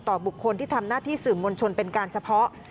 บุคคลที่ทำหน้าที่สื่อมวลชนเป็นการเฉพาะ